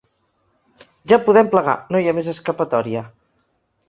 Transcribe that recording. Ja podem plegar, no hi ha més escapatòria.